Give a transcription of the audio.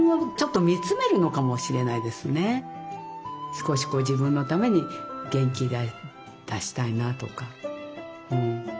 少しこう自分のために元気出したいなとか。